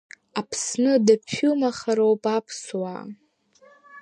Аԥсны даԥшәымахароуп Аԥсуа.